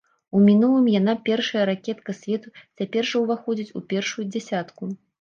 У мінулым яна першая ракетка свету, цяпер жа ўваходзіць у першую дзясятку.